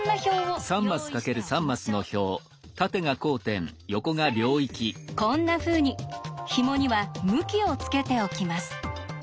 更にこんなふうにひもには向きをつけておきます。